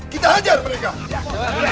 kita hajar mereka